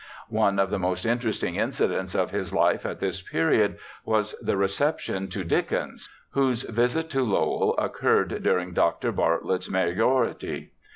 One of the most interesting incidents of his life at this period was the reception to Dickens, whose visit to Lowell occurred during Dr. Bartlett's mayoralty.